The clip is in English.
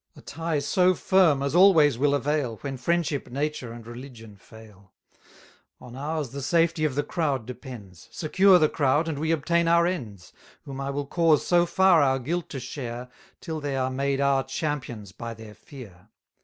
A tie so firm as always will avail, When friendship, nature, and religion fail; On ours the safety of the crowd depends; Secure the crowd, and we obtain our ends, Whom I will cause so far our guilt to share, Till they are made our champions by their fear.